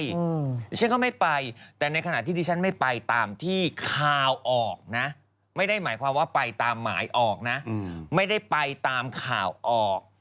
นี่ฉันก็ไม่ไปแต่ในขณะที่ที่ฉันไม่ไปตามที่ข่าวออกนะไม่ได้หมายความว่าไปตามหมายออกนะไม่ได้ไปตามข่าวออก